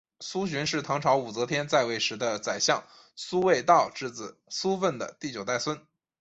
苏洵是唐朝武则天在位时的宰相苏味道之子苏份的第九代孙。